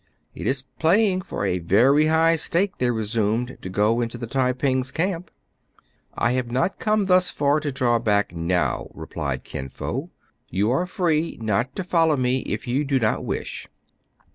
" It is playing for a very high stake," they re sumed, "to go into the Tai ping*s camp." " I have not come thus far to draw back now," replied Kin Fo. You are free not to follow me if you do not wish."